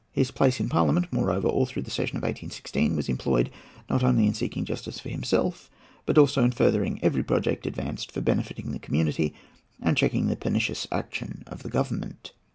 His place in Parliament, moreover, all through the session of 1816, was employed not only in seeking justice for himself, but also in furthering every project advanced for benefiting the community and checking the pernicious action of the Government.